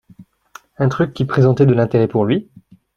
un truc qui présentait de l’intérêt pour lui,